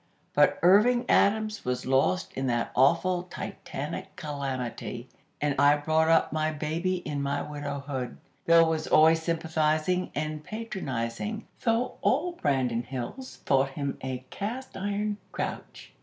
But Irving Adams was lost in that awful 'Titanic' calamity, and I brought up my baby in my widowhood. Bill was always sympathizing and patronizing, though all Branton Hills thought him a cast iron grouch.